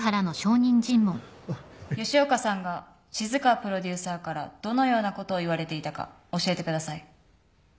吉岡さんが静川プロデューサーからどのようなことを言われていたか教えてください。